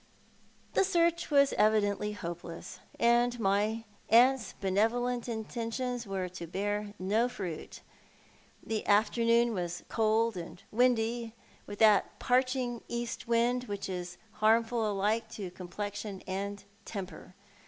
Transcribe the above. The search was evidently hoiie'es :, and my aunt's benevolent intentions were to bear no fruit. The afternoon was cold and windy, with that parching east wind which is harmful alike to complexion and temper.